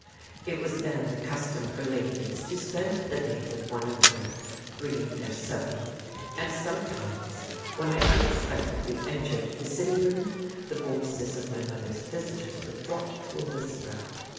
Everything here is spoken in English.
It was then the custom for ladies to spend the day with one another, bringing their sewing; and sometimes, when I unexpectedly entered the sitting room, the voices of my mother's visitors would drop to a whisper.